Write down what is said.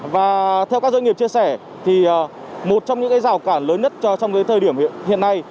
và theo các doanh nghiệp chia sẻ thì một trong những rào cản lớn nhất trong thời điểm hiện nay